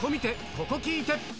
ここ聴いて！